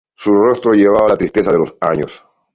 Su rostro llevaba la tristeza de los años.